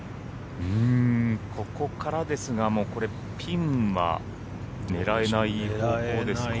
ここからですがもうこれピンは狙えない方向ですか？